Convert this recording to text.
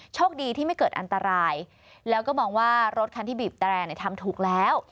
โชคดีที่ไม่เกิดอันตรายแล้วก็มองว่ารถคันที่บีบแตรเนี่ยทำถูกแล้ว